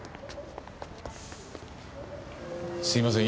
すいません